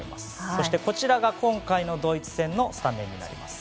そして、こちらが今回のドイツ戦のスタメンです。